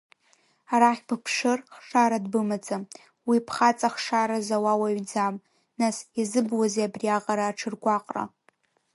Арахь быԥшыр, хшара дбымаӡам, уи бхаҵа хшара зауа уаҩӡам, нас иазыбуази абриаҟара аҽыргәаҟра.